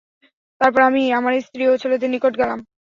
তারপর আমি আমার স্ত্রী ও ছেলেদের নিকট গেলাম।